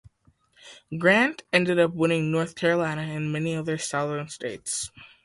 Grant ended up winning North Carolina and many other Southern states.